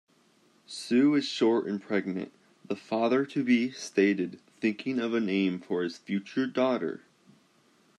"Sue is short and pregnant", the father-to-be stated, thinking of a name for his future daughter.